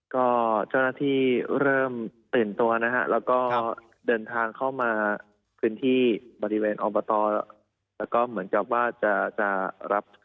ก็เจ้าหน้าที่เริ่มตื่นตัวนะครับ